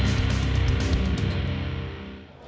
มุมแดง